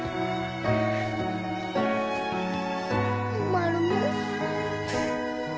マルモ。